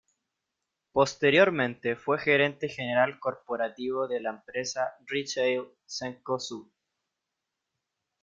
Posteriormente fue gerente general corporativo de la empresa "retail" Cencosud.